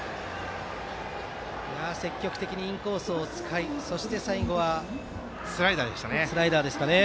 積極的にインコースを使いそして最後はスライダーでした。